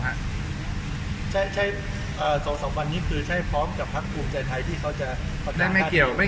แต่ยังไม่มีหรอกครับมันกาบโขมรอยทั้งหมดครับ